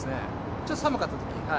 ちょっと寒かったとき。